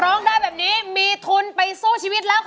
ร้องได้แบบนี้มีทุนไปสู้ชีวิตแล้ว